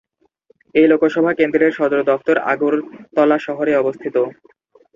এই লোকসভা কেন্দ্রের সদর দফতর আগরতলা শহরে অবস্থিত।